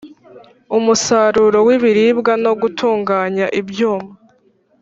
umusaruro w ibiribwa no gutunganya ibyuma